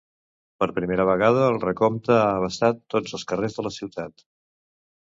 Per primera vegada, el recompte ha abastat tots els carrers de la ciutat.